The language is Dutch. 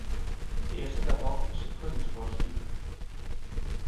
Het eerste daarvan is de vergunningsprocedure.